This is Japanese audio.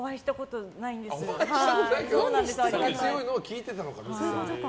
お酒強いのは聞いてたのかも。